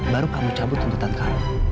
baru kamu cabut tuntutan kami